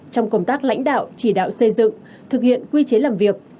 trong công tác lãnh đạo chỉ đạo xây dựng thực hiện quy chế làm việc